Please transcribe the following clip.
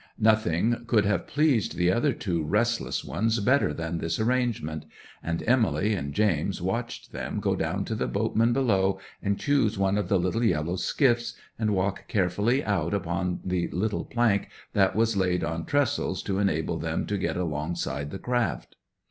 'Nothing could have pleased the other two restless ones better than this arrangement; and Emily and James watched them go down to the boatman below and choose one of the little yellow skiffs, and walk carefully out upon the little plank that was laid on trestles to enable them to get alongside the craft.